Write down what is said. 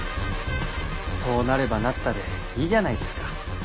そうなればなったでいいじゃないですか。